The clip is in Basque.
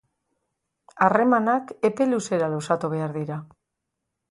Harremanak epe luzera luzatu behar dira.